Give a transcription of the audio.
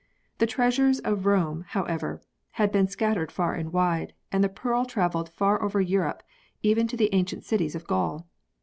The treasures of Rome however had been scattered far and wide and the pearl travelled far over Europe even to the ancient cities of Gaul.